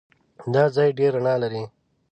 دا ځای ډېر رڼا لري.